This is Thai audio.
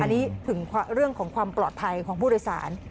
อันนี้ถึงเรื่องของความปลอดภัยของผู้โดยสาร